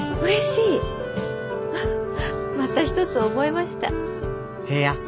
また一つ覚えました。